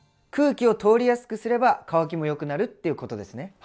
空気を通りやすくすれば乾きもよくなるっていうことですね。